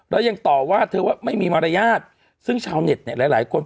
แล้วยังต่อว่าเธอว่าไม่มีมารยาทซึ่งชาวเน็ตเนี่ยหลายหลายคน